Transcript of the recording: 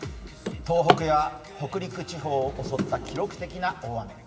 東北や北陸地方を襲った記録的な大雨。